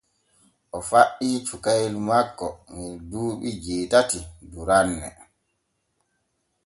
O faɗɗi cukayel makko ŋe duuɓi jeetati duranne.